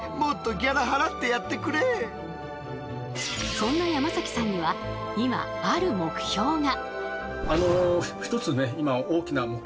そんな山崎さんには今ある目標が。